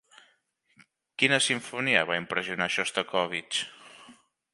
Quina simfonia va impressionar a Xostakóvitx?